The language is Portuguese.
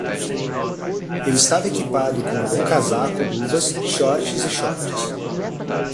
Eu estava equipado com um bom casaco, luvas, shorts e shorts.